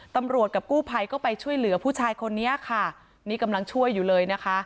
ตำรวจกับกู้ภัยก็ไปช่วยเหลือผู้ชายคนนี้ค่ะนี่กำลังช่วยอยู่เลยนะคะ